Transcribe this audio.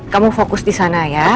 kamu fokus di sana ya